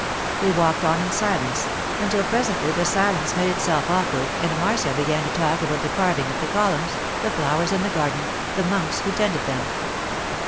They walked on in silence, until presently the silence made itself awkward and Marcia began to talk about the carving of the columns, the flowers in the garden, the monks who tended them.